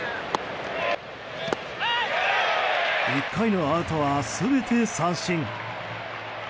１回のアウトは全て三振。